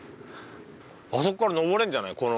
あそこから上れるんじゃない？